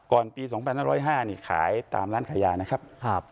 ก่อนปี๒๐๐๕ขายตามร้านขายยานะครับ